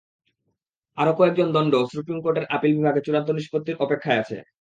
আরও কয়েকজনের দণ্ড সুপ্রিম কোর্টের আপিল বিভাগে চূড়ান্ত নিষ্পত্তির অপেক্ষায় আছে।